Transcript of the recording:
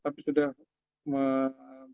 tapi sudah mengembangkan